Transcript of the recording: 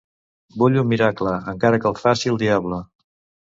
Vull un miracle, encara que el faci el diable.